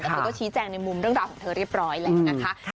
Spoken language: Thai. แต่เธอก็ชี้แจงในมุมเรื่องราวของเธอเรียบร้อยแล้วนะคะ